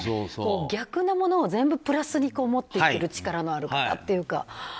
逆のものをプラスに持っていける力のある方というか。